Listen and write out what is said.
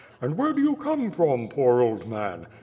"And where do you come from, poor old man?"